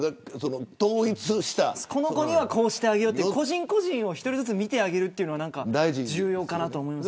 この子にはこうしてあげようとか個人個人を見てあげることは重要かなと思います。